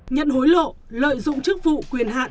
nhận hối lộ lợi dụng chức vụ quyền hạn